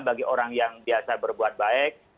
bagi orang yang biasa berbuat baik